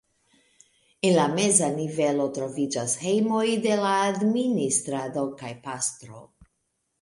En la meza nivelo troviĝas hejmoj de la administrado kaj pastro.